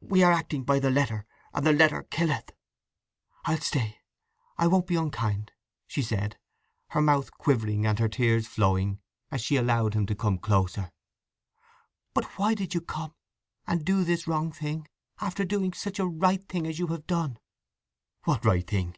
We are acting by the letter; and 'the letter killeth'!" "I'll stay—I won't be unkind!" she said, her mouth quivering and her tears flowing as she allowed him to come closer. "But why did you come, and do this wrong thing, after doing such a right thing as you have done?" "What right thing?"